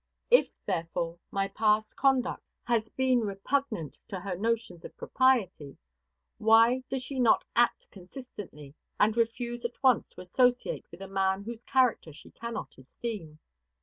If, therefore, my past conduct has been repugnant to her notions of propriety, why does she not act consistently, and refuse at once to associate with a man whose character she cannot esteem?